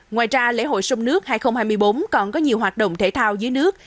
ngoài ra lễ hội sông nước hai nghìn hai mươi bốn còn có nhiều hoạt động thể thao dưới nước